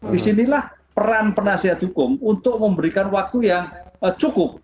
disinilah peran penasihat hukum untuk memberikan waktu yang cukup